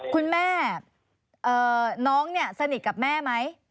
คุณแม่น้องสนิทกับแม่ไหม